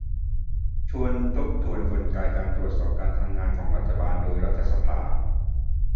ชวนทบทวนกลไกการตรวจสอบการทำงานของรัฐบาลโดยรัฐสภา